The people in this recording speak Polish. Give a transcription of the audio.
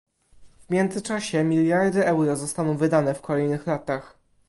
W międzyczasie miliardy euro zostaną wydane w kolejnych latach